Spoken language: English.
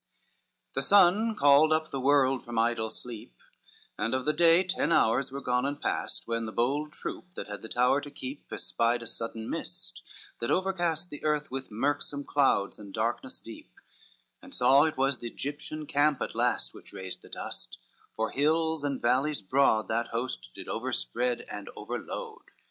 I The sun called up the world from idle sleep, And of the day ten hours were gone and past When the bold troop that had the tower to keep Espied a sudden mist, that overcast The earth with mirksome clouds and darkness deep, And saw it was the Egyptian camp at last Which raised the dust, for hills and valleys broad That host did overspread and overload.